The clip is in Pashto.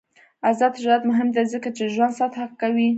آزاد تجارت مهم دی ځکه چې ژوند سطح ښه کوي.